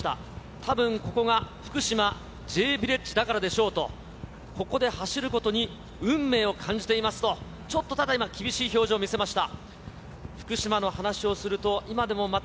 たぶん、ここが福島・Ｊヴィレッジだからでしょうと、ここで走ることに運命を感じていますと、ちょっと、ただ、今、厳しい表情を見せました。